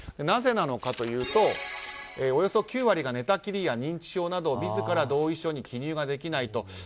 なぜなのかというとおよそ９割が寝たきりや認知症など自ら同意書に記入ができない。